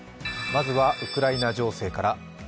まずはウクライナ情勢から。